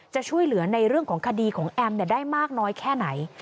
จะช่วยเหลือในเรื่องของคดีของแอมได้มากน้อยแค่ไหน